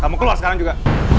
kamu keluar sekarang juga